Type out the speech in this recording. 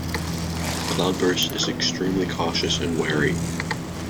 Cloudburst is extremely cautious and wary.